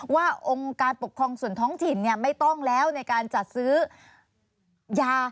องค์การปกครองส่วนท้องถิ่นไม่ต้องแล้วในการจัดซื้อยา